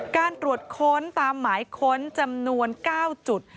การตรวจค้นตามหมายค้นจำนวน๙จุด